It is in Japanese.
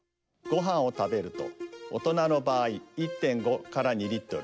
ごはんを食べると大人のばあい１．５から２Ｌ。